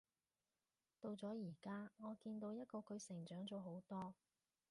到咗而家，我見到一個佢成長咗好多